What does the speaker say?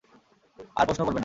আর প্রশ্ন করবে না।